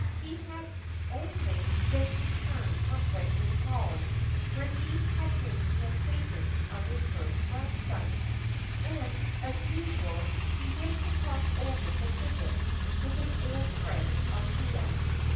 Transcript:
He had only just returned from Brentwood Hall, where he had made the acquaintance of his first grandson; and, as usual, he wished to talk over the visit with his old friend Althea.